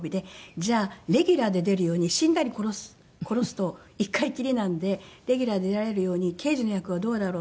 「じゃあレギュラーで出るように死んだり殺すと一回きりなんでレギュラーで出られるように刑事の役はどうだろう？」